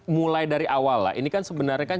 mulai dari awal lah ini kan sebenarnya kan